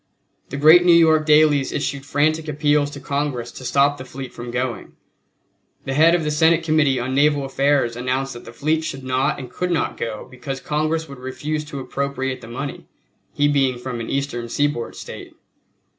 The great New York dailies issued frantic appeals to Congress to stop the fleet from going. The head of the Senate Committee on Naval Affairs announced that the fleet should not and could not go because Congress would refuse to appropriate the money he being from an Eastern seaboard State.